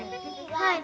「はい。